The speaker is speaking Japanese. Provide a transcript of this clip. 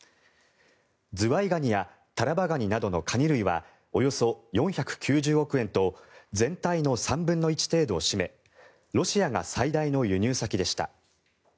ズワイガニやタラバガニなどのカニ類はおよそ４９０億円と全体の３分の１程度を占めロシアが最大の輸入先でした。